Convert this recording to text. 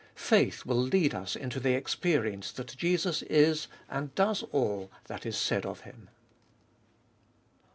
Faith will lead us into the experience that Jesus is and does all that is said of Him.